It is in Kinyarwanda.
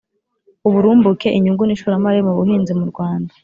uburumbuke, inyungu n'ishoramari mu buhinzi mu rwanda,